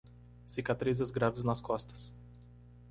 Cicatrizes graves nas costas